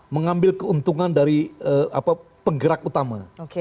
mengambil keuntungan dari penggerak utama